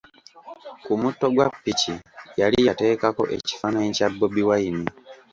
Ku mutto gwa ppiki yali yateekako ekifaanayi kya Bobi Wine.